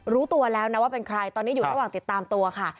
รู้ตัวแล้วนะว่าเป็นใครตอนนี้อยู่ระหว่างติดตามตัวค่ะ